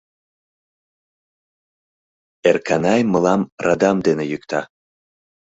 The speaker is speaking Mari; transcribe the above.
Эрканай мылам радам дене йӱкта.